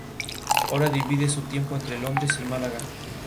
Ahora divide su tiempo entre Londres y Málaga.